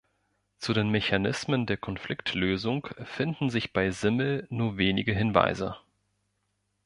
Zu den Mechanismen der Konfliktlösung finden sich bei Simmel nur wenige Hinweise.